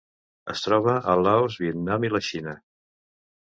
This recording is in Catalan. Es troba a Laos, Vietnam i la Xina.